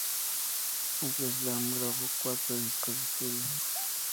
Uncle Slam grabo cuatro discos de estudio.